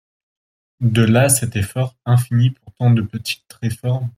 De là cet effort infini pour tant de petites réformes.